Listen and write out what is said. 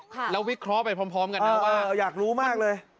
แล้ววิเคราะห์ไปพร้อมกันนะว่าอยากรู้มากเลย